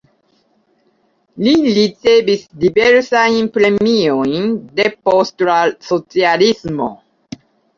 Li ricevis diversajn premiojn depost la socialismo.